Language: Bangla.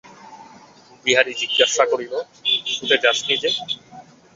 বিহারী জিজ্ঞাসা করিল, শুতে যাস নি যে?